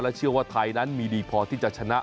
เชื่อว่าไทยนั้นมีดีพอที่จะชนะ